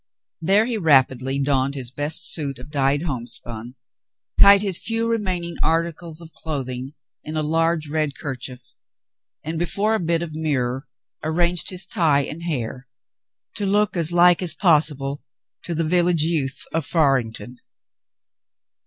There he rapidly donned his best suit of dyed homespun, tied his few remain ing articles of clothing in a large red kerchief, and before a bit of mirror arranged his tie and hair to look as like as possible to the .village youth of Farington.